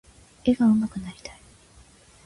絵が上手くなりたい。